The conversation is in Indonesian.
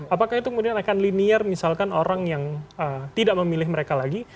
apakah itu kemudian akan linear misalkan orang yang tidak memilih mereka lagi